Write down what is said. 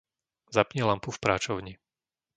Zapni lampu v práčovni.